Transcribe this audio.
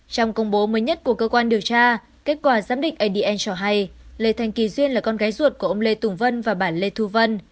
trong công bố mới nhất của cơ quan điều tra kết quả giám định adn cho hay lê thành kỳ duyên là con gái ruột của ông lê tùng vân và bà lê thu vân